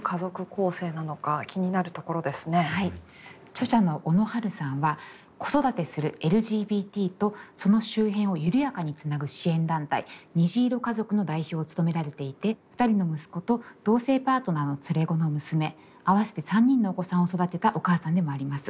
著者の小野春さんは子育てするＬＧＢＴとその周辺を緩やかにつなぐ支援団体にじいろかぞくの代表を務められていて２人の息子と同性パートナーの連れ子の娘合わせて３人のお子さんを育てたお母さんでもあります。